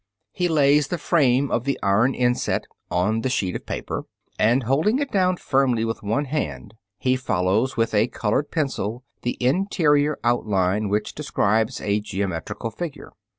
] He lays the frame of the iron inset on the sheet of paper, and, holding it down firmly with one hand, he follows with a colored pencil the interior outline which describes a geometrical figure.